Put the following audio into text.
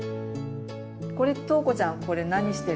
これとうこちゃんこれ何してるの？